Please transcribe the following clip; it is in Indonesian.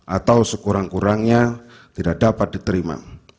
atau sekurang kurangnya tidak dapat diterima